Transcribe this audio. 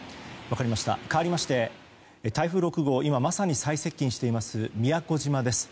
かわりまして台風６号今まさに最接近しています宮古島です。